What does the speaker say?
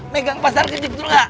megang pasar kejip dulu kak